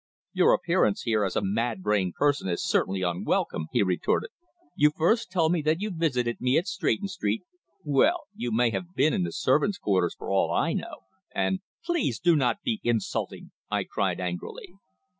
"Your appearance here as a mad brained person is certainly unwelcome," he retorted. "You first tell me that you visited me at Stretton Street. Well, you may have been in the servants' quarters for all I know, and " "Please do not be insulting!" I cried angrily.